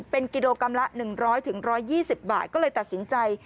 เป็นกิโลกรัมละ๑๐๐๑๒๐บาทก็เลยตัดสินใจ